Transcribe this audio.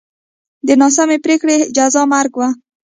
د ناسمې پرېکړې جزا مرګ و